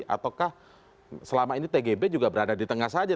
ataukah selama ini tgb juga berada di tengah saja